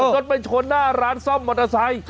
จนไปชนหน้าร้านซ่อมมอเตอร์ไซค์